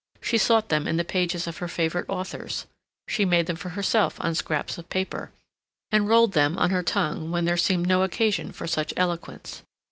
She sought them in the pages of her favorite authors. She made them for herself on scraps of paper, and rolled them on her tongue when there seemed no occasion for such eloquence.